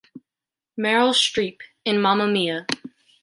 Meryl Streep in Mamma Mia.